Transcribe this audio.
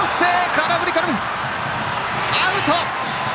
空振りからのアウト！